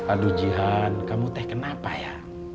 aduh jihan kamu teh kenapa ya